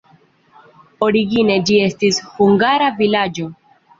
Origine ĝi estis hungara vilaĝo.